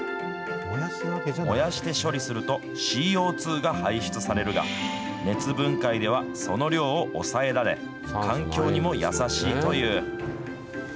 燃やして処理すると、ＣＯ２が排出されるが、熱分解ではその量を抑えられ、環境にも優しいという。